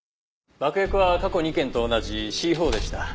爆薬は過去２件と同じＣ−４でした。